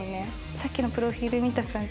さっきのプロフィール見た感じ